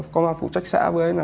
công an phụ trách xã